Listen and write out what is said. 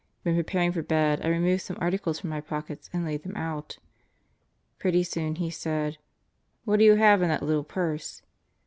When preparing for bed I removed some articles from my pockets and laid them out. Pretty soon he said: "What do you have in that little purse?"